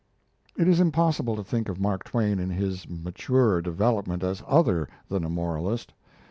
It is impossible to think of Mark Twain in his maturer development as other than a moralist.